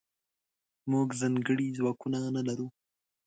موږځنکړي ځواکونه نلرو